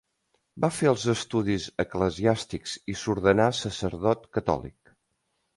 Va fer els estudis eclesiàstics i s'ordenà sacerdot catòlic.